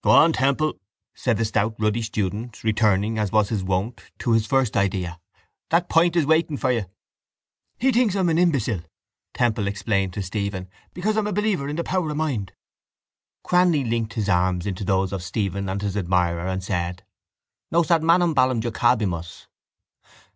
—Go on, Temple, said the stout ruddy student, returning, as was his wont, to his first idea, that pint is waiting for you. —He thinks I'm an imbecile, Temple explained to Stephen, because I'm a believer in the power of mind. Cranly linked his arms into those of Stephen and his admirer and said: —_Nos ad manum ballum jocabimus.